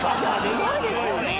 すごいですよね。